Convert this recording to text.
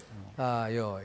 用意